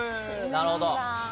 なるほど。